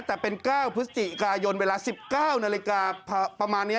แต่เป็น๙พฤศจิกายนเวลา๑๙นาฬิกาประมาณนี้